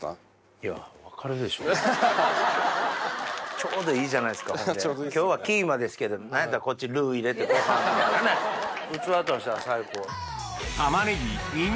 ちょうどいいじゃないですか今日はキーマですけど何やったらこっちルー入れてご飯とかでね器としては最高。